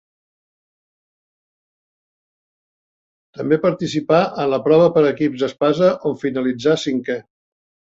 També participà en la prova per equips d'espasa, on finalitzà cinquè.